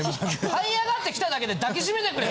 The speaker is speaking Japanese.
這い上がってきただけで抱きしてめてくれよ